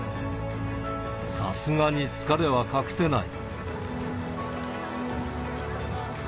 さすがに疲れは隠せない。